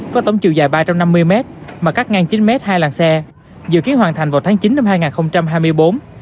có tổng chiều dài ba trăm năm mươi m mà cắt ngang chín m hai làng xe dự kiến hoàn thành vào tháng chín năm hai nghìn hai mươi bốn